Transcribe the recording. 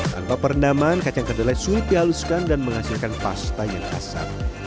tanpa perendaman kacang kedelai sulit dihaluskan dan menghasilkan pasta yang asam